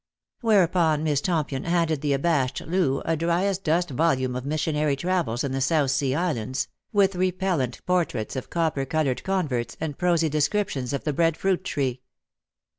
Whereupon Miss Tompion handed the abashed Loo a dryasdust volume of missionary travels in the South Sea Islands, with repellant portraits of copper coloured converts, and prosy descriptions of the bread fruit tree.